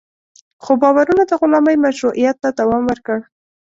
خو باورونه د غلامۍ مشروعیت ته دوام ورکړ.